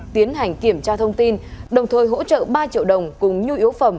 tiến hành kiểm tra thông tin đồng thời hỗ trợ ba triệu đồng cùng nhu yếu phẩm